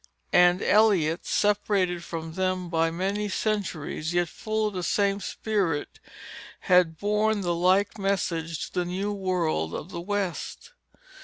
And Eliot, separated from them by many centuries, yet full of the same spirit, had borne the like message to the new world of the West.